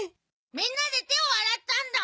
みんなで手を洗ったんだ。